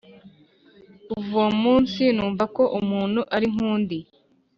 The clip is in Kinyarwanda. Kuva uwo munsi numva ko umuntu ari nk undi